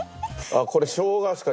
これしょうがですか？